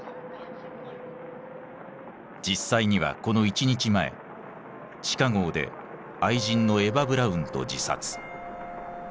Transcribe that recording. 実際にはこの１日前地下壕で愛人のエヴァ・ブラウンと自殺。